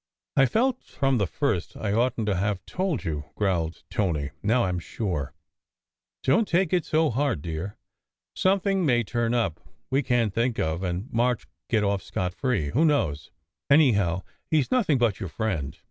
"I felt from the first I oughtn t to have told you," 148 SECRET HISTORY growled Tony. "Now I m sure. Don t take it so hard, dear. Something may turn up we can t think of, and March get off scot free. Who knows? Anyhow, he s nothing but your friend.